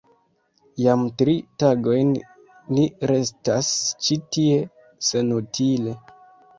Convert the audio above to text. Jam tri tagojn ni restas ĉi tie senutile!